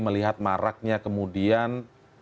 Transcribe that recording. melihat maraknya kemudian